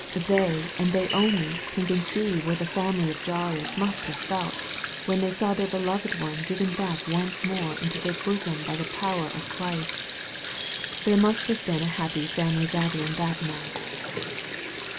They, and they only, can conceive what the family of Jairus must have felt, when they saw their beloved one given back once more into their bosom by the power of Christ. There must have been a happy family gathering that night